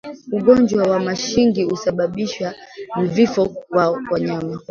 Ugonjwa wa mashingi husababisha vifo kwa wanyama